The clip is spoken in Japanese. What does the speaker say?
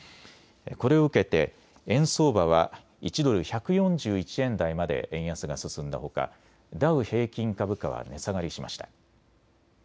これを受けて円相場は１ドル１４１円台まで円安が進んだほか、ダウ平均株価は値下がりしました。